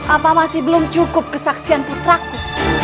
apa masih belum cukup kesaksian putraku